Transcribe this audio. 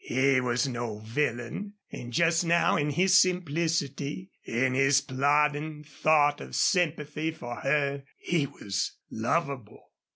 He was no villain, and just now in his simplicity, in his plodding thought of sympathy for her he was lovable.